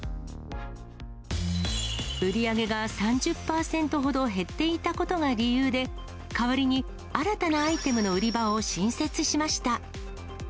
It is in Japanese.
売り上げが３０％ほど減っていたことが理由で、代わりに新たなアイテムの売り場を新設しました。